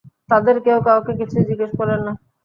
তাদের কেউ কাউকে কিছুই জিজ্ঞেস করলেন না।